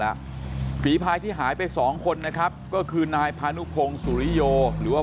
แล้วฝีพายที่หายไปสองคนนะครับก็คือนายพานุพงศุริโยหรือว่า